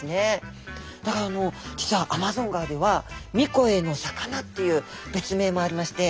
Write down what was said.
だからもう実はアマゾン川では「三声の魚」っていう別名もありまして。